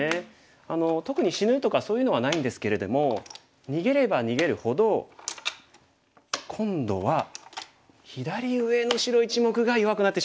特に死ぬとかそういうのはないんですけれども逃げれば逃げるほど今度は左上の白１目が弱くなってしまうんですよね。